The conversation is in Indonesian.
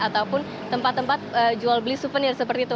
ataupun tempat tempat jual beli souvenir seperti itu